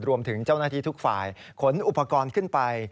รวมถึงเจ้าหน้าที่ทุกฝ่ายขนอุปกรณ์ขึ้นไป